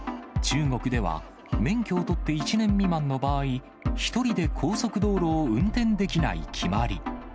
中国では、免許を取って１年未満の場合、１人で高速道路を運転できない決まり。